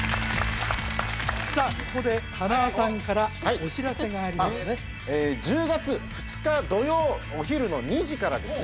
さあここで塙さんからお知らせがありますね１０月２日土曜お昼の２時からですね